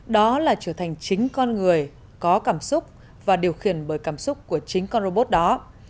đó là trở thành chính con người có cảm xúc và điều khiển bởi cảm xúc của chính con robot đó